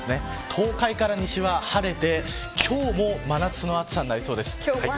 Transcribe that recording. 東海から西は晴れて今日も真夏の暑さになりそうです。